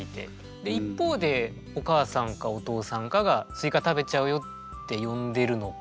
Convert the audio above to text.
で一方でお母さんかお父さんかが「スイカ食べちゃうよ」って呼んでるのか。